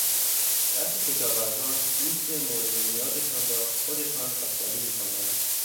برخی کشاورزان گوشت مورد نیازشان را خودشان قصابی میکنند.